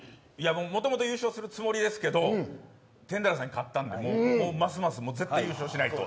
もともと優勝するつもりですけどテンダラーさんに勝ったんでますます絶対優勝しないと。